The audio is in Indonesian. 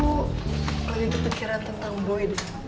kalau itu pikiran tentang boy